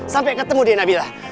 sampai ketemu dek nabila